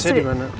saya di mana